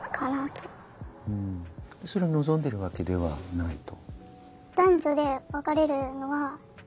でそれを望んでるわけではないと。